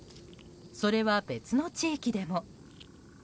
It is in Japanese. それは別の地域でも。